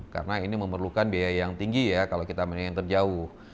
karena ini memerlukan biaya yang tinggi ya kalau kita menilai yang terjauh